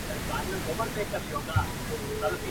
یو خوا ډانګ دی لخوا پړانګ دی ..